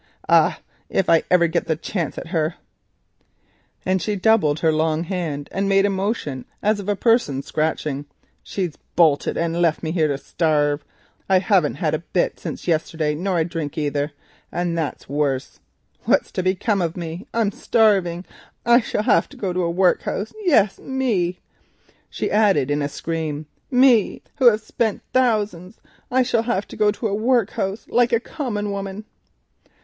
Ah, if ever I get a chance at her," and she doubled her long hand and made a motion as of a person scratching. "She's bolted and left me here to starve. I haven't had a bit since yesterday, nor a drink either, and that's worse. What's to become of me? I'm starving. I shall have to go to the workhouse. Yes, me," she added in a scream, "me, who have spent thousands; I shall have to go to a workhouse like a common woman!"